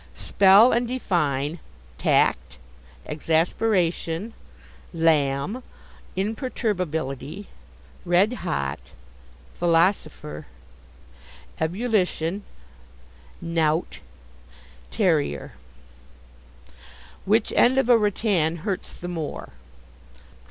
SPELL AND DEFINE: Tact Exasperation Lamb Imperturbability Red hot Philosopher Ebullition Knout Terrier Which end of a rattan hurts the more?